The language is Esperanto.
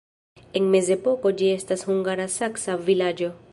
En mezepoko ĝi estis hungara-saksa vilaĝo.